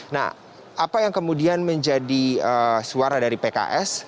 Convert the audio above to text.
nah apa yang kemudian menjadi suara dari pks